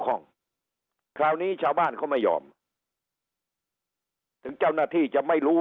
ห้องคราวนี้ชาวบ้านเขาไม่ยอมถึงเจ้าหน้าที่จะไม่รู้